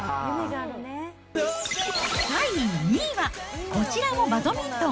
第２位は、こちらもバドミントン。